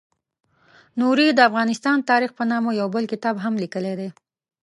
نوري د افغانستان تاریخ په نامه یو بل کتاب هم لیکلی دی.